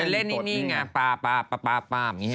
เล่นนี่นี่ไงป่าป่าป่าป่าป่าแบบนี้นะ